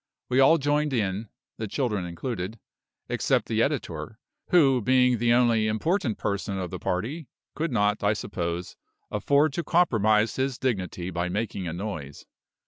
We all joined in (the children included), except the editor who, being the only important person of the party, could not, I suppose, afford to compromise his dignity by making a noise.